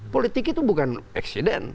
politik itu bukan eksiden